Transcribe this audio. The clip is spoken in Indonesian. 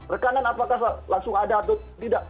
rekanan apakah langsung ada atau tidak